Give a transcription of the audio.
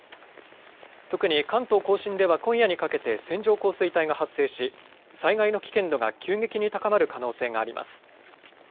特に関東甲信では今夜にかけて線状降水帯が発生し災害の危険度が急激に高まる可能性があります。